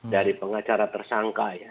dari pengacara tersangka ya